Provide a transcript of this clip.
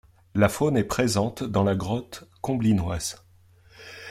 La faune est présente dans la grotte comblinoise.